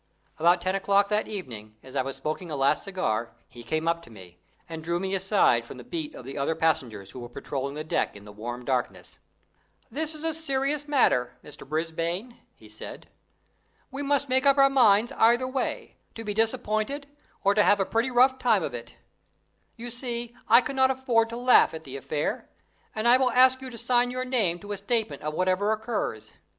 About ten o'clock that evening, as I was smoking a last cigar, he came up to me, and drew me aside from the beat of the other passengers who were patrolling the deck in the warm darkness. "This is a serious matter, Mr. Brisbane," he said. "We must make up our minds either way to be disappointed or to have a pretty rough time of it. You see I cannot afford to laugh at the affair, and I will ask you to sign your name to a statement of whatever occurs.